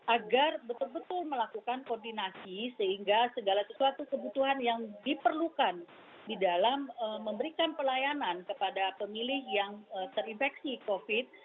agar betul betul melakukan koordinasi sehingga segala sesuatu kebutuhan yang diperlukan di dalam memberikan pelayanan kepada pemilih yang terinfeksi covid